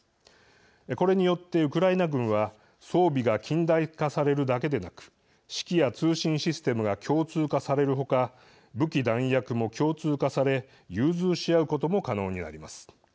これによって、ウクライナ軍は装備が近代化されるだけでなく指揮や通信システムが共通化される他武器、弾薬も共通化され融通し合うことも可能になります。